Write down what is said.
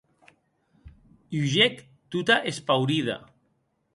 Hugec tota espaurida.